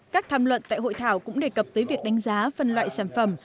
các tham luận tại hội thảo cũng đề cập tới việc đánh giá phân loại sản phẩm